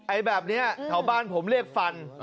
ไอ้แบบนี้ถ่าวบ้านผมเรียกฟัน